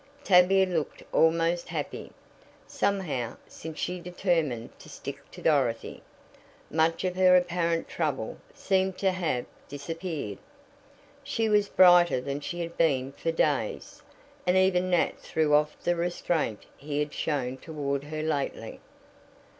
Tavia looked almost happy. Somehow, since she determined to "stick to Dorothy," much of her apparent trouble seemed to have disappeared. She was brighter than she had been for days, and even Nat threw off the restraint he had shown toward her lately.